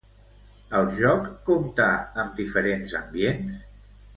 El joc compta amb diferents ambients?